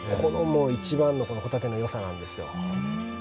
いちばんのこのほたてのよさなんですよ。